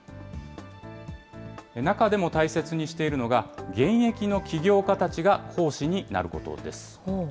中でも大切にしているのが、現役の起業家たちが講師になることです。